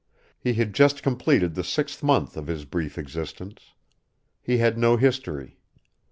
He had just completed the sixth month of his brief existence. He had no history.